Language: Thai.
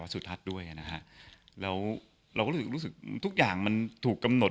สุทัศน์ด้วยนะฮะแล้วเราก็รู้สึกทุกอย่างมันถูกกำหนด